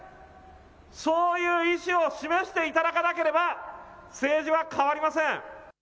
そういう意思を示していただかなければ政治は変わりません。